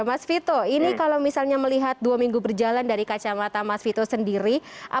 mas vito ini kalau misalnya melihat dua minggu berjalan dari kacamata mas vito sendiri